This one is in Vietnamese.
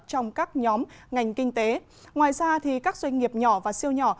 trong các nhóm ngành kinh tế ngoài ra các doanh nghiệp nhỏ và siêu nhỏ